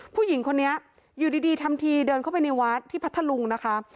ผู้หญิงคนนี้อยู่ดีทำทีเดินเข้าไปในวัดที่พัทธลุงนะคะ